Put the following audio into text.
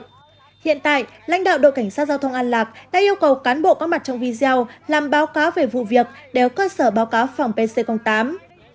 hiện tại lãnh đạo đội cảnh sát giao thông an lạc đã yêu cầu cán bộ có mặt trong video làm báo cáo về vụ việc đeo cơ sở báo cáo phòng pc tám